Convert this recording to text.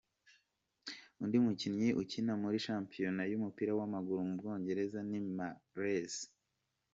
Undi mukinnyi ukina muri shampiyona y'umupira w'amaguru mu Bwongereza , ni Mahrez.